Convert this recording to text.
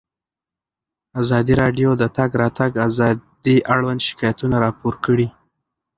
ازادي راډیو د د تګ راتګ ازادي اړوند شکایتونه راپور کړي.